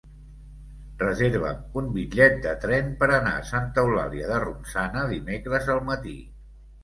Reserva'm un bitllet de tren per anar a Santa Eulàlia de Ronçana dimecres al matí.